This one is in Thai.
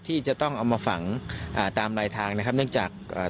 ที่จะต้องเอามาฝังอ่าตามลายทางนะครับเนื่องจากอ่า